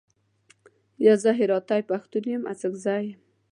یا، زه هراتۍ پښتون یم، اڅګزی یم.